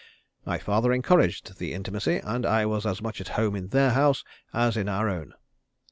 My father encouraged the intimacy, and I was as much at home in their house as in our own.